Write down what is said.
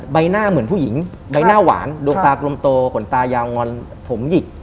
ใบหน้าเหมือนผู้หญิงใบหน้าหวานดวงตากลมโตขนตายาวงอนผมหยิก